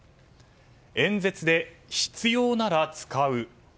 演説で必要なら使う。